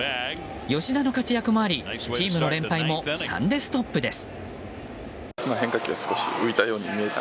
吉田の活躍もありチームの連敗も３でストップです。